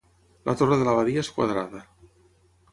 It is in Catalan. La torre de l'Abadia és quadrada.